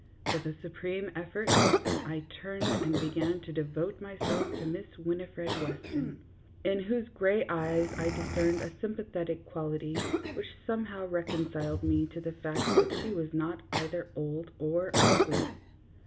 With a supreme effort I turned and began to devote my self to Miss Winifred Weston, in whose gray eyes I discerned a sympathetic quality which somehow reconciled me to the fact that she was not either old or ugly.